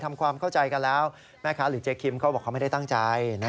ทำความเข้าใจกันแล้วแม่ค้าหรือเจ๊คิมเขาบอกเขาไม่ได้ตั้งใจ